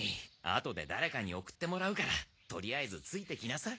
後でだれかに送ってもらうからとりあえずついてきなさい。